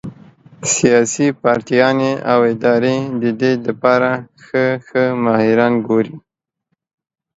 سياسي پارټيانې او ادارې د دې د پاره ښۀ ښۀ ماهران ګوري